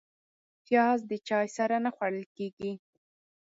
پیاز د چای سره نه خوړل کېږي